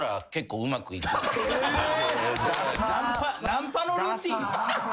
ナンパのルーティン。